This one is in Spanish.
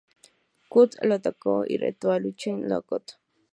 Kurt lo atacó y lo reto a una lucha en Lockdown.